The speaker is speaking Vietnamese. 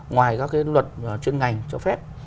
ngoài các cái luật chuyên ngành cho phép